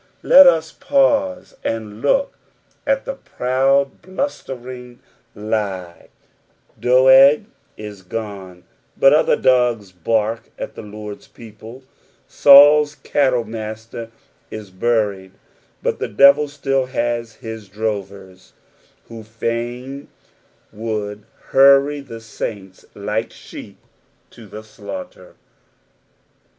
Let us pause and look at the proud blustering lur. ,glc PSALM THE FIFTY SECOND. 479 I^oeg is gone, but other Aoge bark at the Lord's ^ple. Saul'a cattle master is buried, but the devil still bus his drovers, who fain would hurry the ssiuts like abeep to the slaughter.